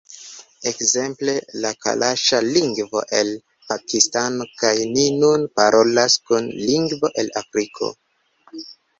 Ekzemple, la kalaŝa lingvo el Pakistano kaj ni nun parolas kun lingvo el Afriko